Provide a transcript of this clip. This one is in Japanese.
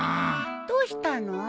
どうしたの？